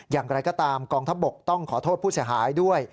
อย่างไรก็ตามกองทัพบกต้องขอโทษผู้เสียหายด้วย